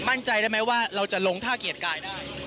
มั่นใจได้ไหมว่าเราจะลงท่าเกียรติกายได้